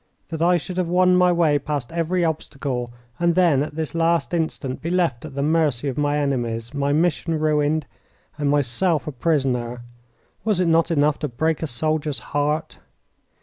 That I should have won my way past every obstacle and then at this last instant be left at the mercy of my enemies, my mission ruined, and myself a prisoner was it not enough to break a soldier's heart?